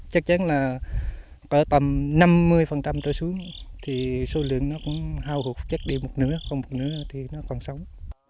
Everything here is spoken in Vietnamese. chắc chắn là có tầm năm mươi trở xuống thì số lượng nó cũng hao hụt chắc đi một nửa không một nửa thì nó còn sống